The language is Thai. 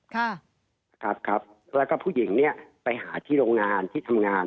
ค่ะนะครับครับแล้วก็ผู้หญิงเนี่ยไปหาที่โรงงานที่ทำงาน